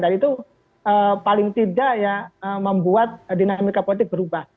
dan itu paling tidak ya membuat dinamika politik berubah